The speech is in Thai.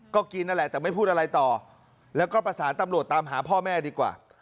ก็กินนั่นแหละแต่ไม่พูดอะไรต่อแล้วก็ประสานตำรวจตามหาพ่อแม่ดีกว่า